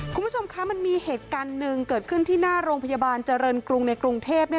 คุณผู้ชมคะมันมีเหตุการณ์หนึ่งเกิดขึ้นที่หน้าโรงพยาบาลเจริญกรุงในกรุงเทพ